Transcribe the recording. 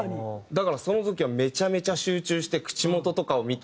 だからその時はめちゃめちゃ集中して口元とかを見て。